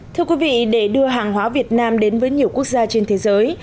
thưa quý vị để đưa hàng hóa việt nam đến với nhiều quốc gia trên thế giới